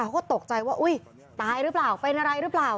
เขาก็ตกใจว่าอุ้ยตายหรือเปล่าเป็นอะไรหรือเปล่า